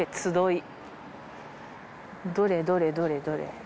どれどれどれどれ。